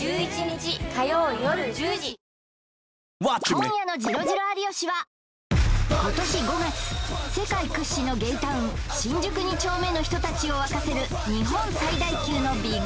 今夜の「ジロジロ有吉」は今年５月世界屈指のゲイタウン新宿二丁目の人たちを沸かせるが開催